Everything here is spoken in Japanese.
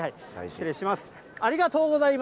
失礼します。